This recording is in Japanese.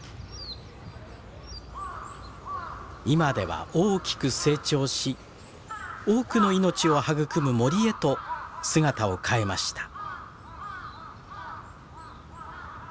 今では大きく成長し多くの命を育む森へと姿を変えました。